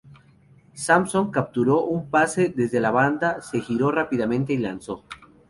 Sampson capturó un pase desde la banda, se giró rápidamente y lanzó.